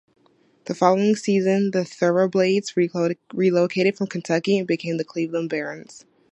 The following season, the Thoroughblades relocated from Kentucky and became the Cleveland Barons.